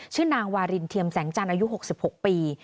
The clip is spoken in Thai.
นางวารินเทียมแสงจันทร์อายุ๖๖ปี